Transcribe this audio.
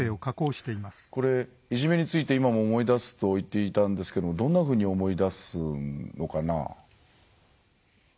いじめについて今も思い出すと言っていたんですけどもどんなふうに思い出すのかな？